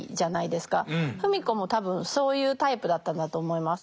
芙美子も多分そういうタイプだったんだと思います。